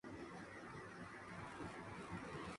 Se la localizaba en el valle del río Tennessee.